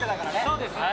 そうですね